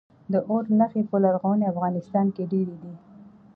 د اور نښې په لرغوني افغانستان کې ډیرې دي